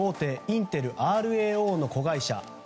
インテルＲＡＯの子会社